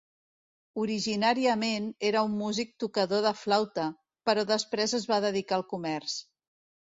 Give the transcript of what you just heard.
Originàriament era un músic tocador de flauta, però després es va dedicar al comerç.